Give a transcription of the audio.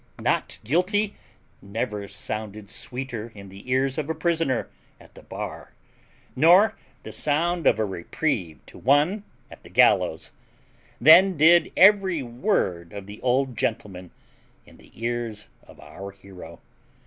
Not guilty never sounded sweeter in the ears of a prisoner at the bar, nor the sound of a reprieve to one at the gallows, than did every word of the old gentleman in the ears of our hero.